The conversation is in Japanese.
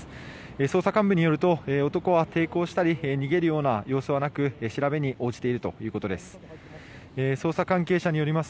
捜査幹部によると男は抵抗したり逃げるような様子はなく調べに応じているということです。